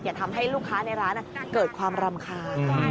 ทำให้ลูกค้าในร้านเกิดความรำคาญ